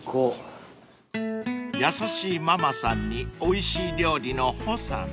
［優しいママさんにおいしい料理の帆さん］